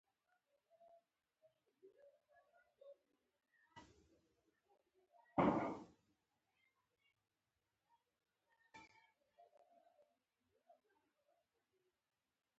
کله چې تاسو په سیاستونو کې رول ونلرئ.